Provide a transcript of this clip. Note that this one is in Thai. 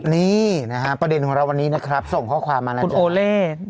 นี่นะฮะประเด็นของเราวันนี้นะครับส่งข้อความมาแล้วคุณโอเล่